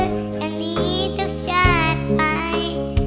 อันนี้ทุกชาติไป